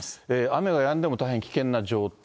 雨がやんでも大変危険な状態。